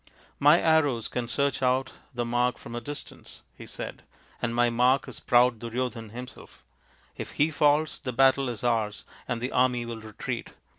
" My arrows can search^out the mark from a distance," he said, " and my mark is proud Duryodhan himself. If he falls, the battle is ours and the army will retreat.